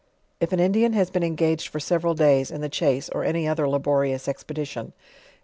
If an Indian has been engaged for several days in the chase or any other laborious expedition, ant?